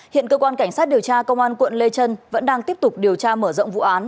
hiện cơ quan cảnh sát điều tra công an quận lê trân vẫn đang tiếp tục điều tra mở rộng vụ án